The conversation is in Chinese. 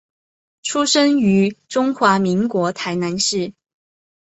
出生于中华民国台南市。